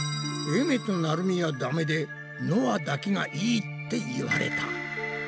えめとなるみはダメでのあだけがいいって言われた。